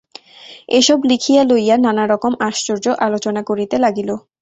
এ-সব লিখিয়া লইয়া নানারকম আশ্চর্য আলোচনা করিতে লাগিল।